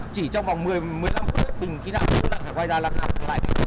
chỉ trong vòng một mươi một mươi năm phút bình khi nào cũng phải quay ra lặng lặng lại